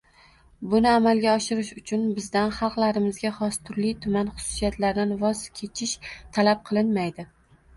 Buni amalga oshirish uchun bizdan xalqlarimizga xos turli-tuman xususiyatlardan voz kechish talab qilinmaydi